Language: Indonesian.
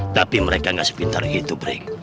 tapi mereka tidak sepintar itu brick